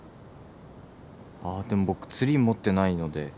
あーでも僕ツリー持ってないので。